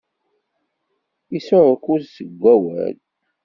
Isɛukkuz deg awal.